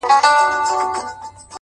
چي په كالو بانـدې زريـــن نه ســـمــه’